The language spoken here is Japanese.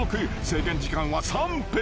制限時間は３分］